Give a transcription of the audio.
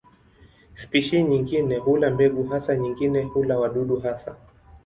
Spishi nyingine hula mbegu hasa, nyingine hula wadudu hasa.